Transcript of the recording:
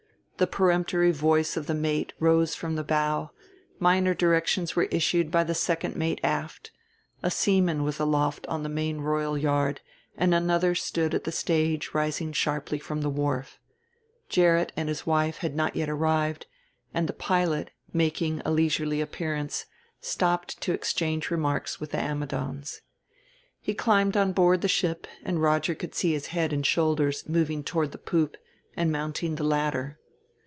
The peremptory voice of the mate rose from the bow, minor directions were issued by the second mate aft, a seaman was aloft on the main royal yard and another stood at the stage rising sharply from the wharf. Gerrit and his wife had not yet arrived, and the pilot, making a leisurely appearance, stopped to exchange remarks with the Ammidons. He climbed on board the ship and Roger could see his head and shoulders moving toward the poop and mounting the ladder.